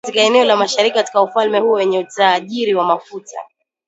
katika eneo la mashariki katika ufalme huo wenye utajiri wa mafuta